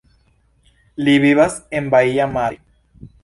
Li vivas en Baia Mare.